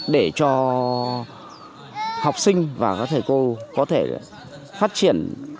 để cho học sinh và các thầy cô có thể phát triển